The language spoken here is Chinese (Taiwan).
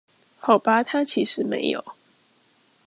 好吧他其實沒有